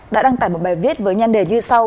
đã đăng tải một bài viết với nhan đề như sau